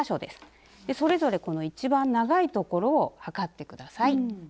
それぞれこの一番長いところを測って下さい。